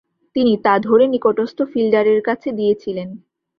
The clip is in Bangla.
তিনি তা ধরে নিকটস্থ ফিল্ডারের কাছে দিয়েছিলেন।